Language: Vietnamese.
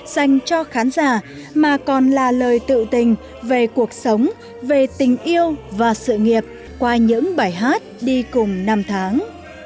dành cho khán giả mà còn là lời tự tình về cuộc sống về tình yêu và sự nghiệp qua những bài hát đi cùng năm tháng